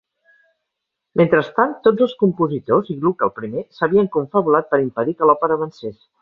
Mentrestant, tots els compositors, i Gluck el primer, s'havien confabulat per impedir que l'òpera avancés.